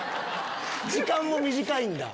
時間も短いんだ。